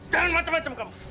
jangan macam macam kamu